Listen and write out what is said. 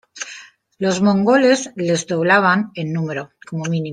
Los mongoles les doblaban en número, como mínimo.